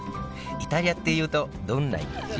イタリアっていうとどんなイメージ？